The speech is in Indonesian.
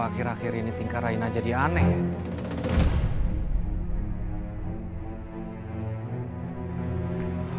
akhir akhir ini tingkah raina jadi aneh